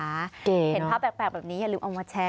เห็นภาพแปลกแบบนี้อย่าลืมเอามาแชร์